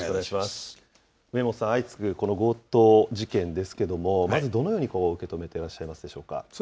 梅本さん、相次ぐ強盗事件ですけれども、まずどのように受け止めていらっしゃいますでしょうか。